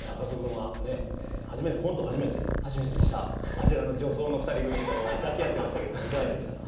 あちらの女装の２人組と抱き合ってましたけどもいかがでしたか？